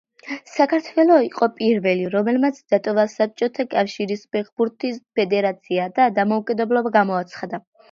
საქართველო იყო პირველი, რომელმაც დატოვა საბჭოთა კავშირის ფეხბურთის ფედერაცია და დამოუკიდებლობა გამოაცხადა.